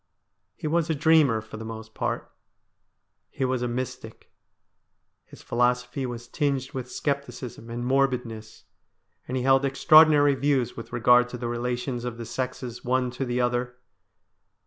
He was a dreamer for the most part. He was a mystic. His philosophy was tinged with scepticism and morbidness, and he held extra ordinary views with regard to the relations of the sexes one to the other.